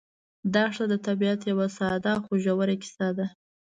دښته د طبیعت یوه ساده خو ژوره کیسه ده.